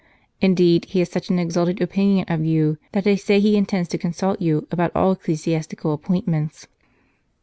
Indeed, he has such an exalted opinion of you that they say he intends to consult you about all ecclesiastical appointments."